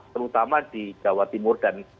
terutama di jawa timur dan